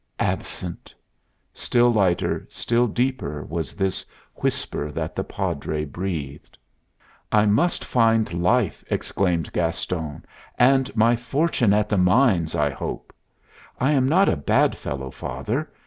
"Absent!" Still lighter, still deeper, was this whisper that the Padre breathed. "I must find life," exclaimed Gaston, "and my fortune at the mines, I hope. I am not a bad fellow, Father.